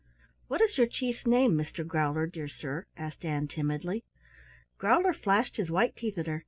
"What is your Chief's name, Mr. Growler, dear sir?" asked Ann timidly. Growler flashed his white teeth at her.